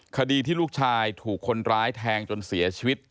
คดีที่ลูกชายถูกคนร้ายแทงจนเสียชีวิต